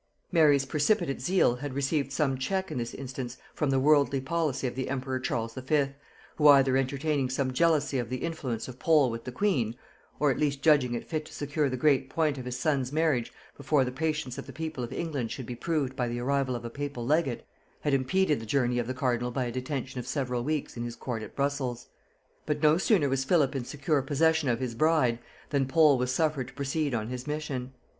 Mary's precipitate zeal had received some check in this instance from the worldly policy of the emperor Charles V., who, either entertaining some jealousy of the influence of Pole with the queen, or at least judging it fit to secure the great point of his son's marriage before the patience of the people of England should be proved by the arrival of a papal legate, had impeded the journey of the cardinal by a detention of several weeks in his court at Brussels. But no sooner was Philip in secure possession of his bride, than Pole was suffered to proceed on his mission.